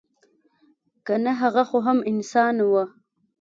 که نه هغه خو هم انسان وه.